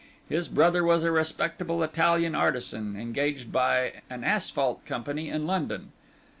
His brother was a respectable Italian artisan, engaged by an asphalt company in London.